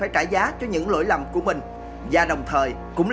tôi muốn tiêu thú